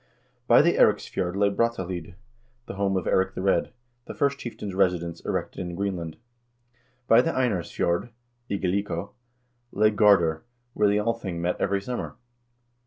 By the Eiriksfjord lay Brattahlid, the home of Eirik the Red, the first chieftain's residence erected in Greenland. By the Einarsfjord (Igaliko) lay Gardar, where the Althing met every summer.